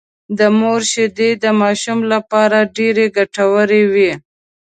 د مور شېدې د ماشوم لپاره ډېرې ګټورې وي